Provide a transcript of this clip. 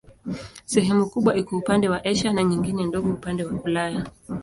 Sehemu kubwa iko upande wa Asia na nyingine ndogo upande wa Ulaya.